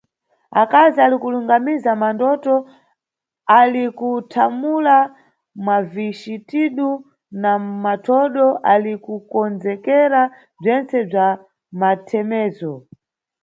Akazi ali kulungamiza mandoto, ali kuthamula mavixitidu na mathodo, ali kukonzekera bzentse bza mathemezo.